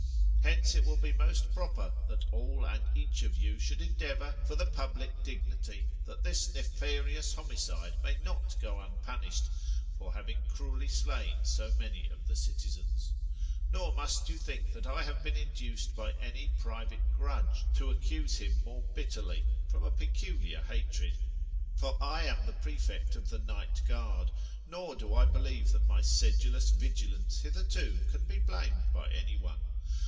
Hence it will be most proper, that all and each of you should endeavour, for the public dignity, that this nefarious homicide may not go unpunished, for having cruelly slain so many of the citizens. Nor must you think that I have been induced by any private grudge, to accuse him more bitterly, from a peculiar hatred. For I am the prefect of the night guard : nor do I believe that my sedulous vigilance hitherto can be blamed by any one.